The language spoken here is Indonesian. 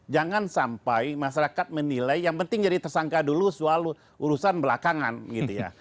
jangan sampai masyarakat menilai yang penting jadi tersangka dulu soal urusan belakangan gitu ya